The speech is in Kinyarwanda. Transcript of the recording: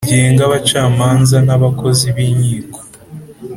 rigenga abacamanza n abakozi b inkiko